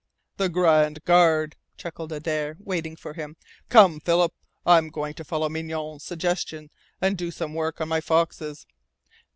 "The Grand Guard," chuckled Adare, waiting for him. "Come, Philip. I'm going to follow Mignonne's suggestion and do some work on my foxes.